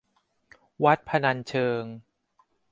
วัดพนัญเชิง